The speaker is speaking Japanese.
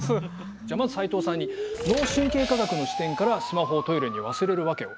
じゃまず齊藤さんに脳神経科学の視点からスマホをトイレに忘れる訳を。